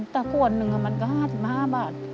สักขวนนึงมันก็๕๕บาท